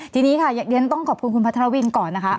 ทีนี้ค่ะเรียกเรียนต้องขอบคุณครับคุณพัทรวินก่อน